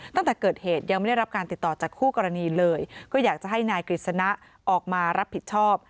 ตั้งแต่เกิดเหตุยังไม่ได้รับการติดต่อจากคู่กรณีเลยก็อยากจะให้นายกฤษณะออกมารับผิดชอบ